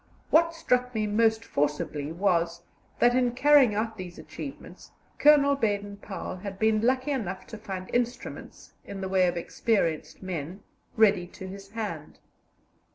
What struck me most forcibly was that, in carrying out these achievements, Colonel Baden Powell had been lucky enough to find instruments, in the way of experienced men, ready to his hand.